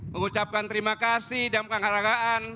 mengucapkan terima kasih dan penghargaan